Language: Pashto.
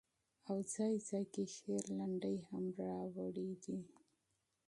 او ځاى ځاى کې شعر، لنډۍ هم را وړي دي